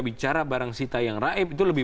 bicara barang sita yang raib itu lebih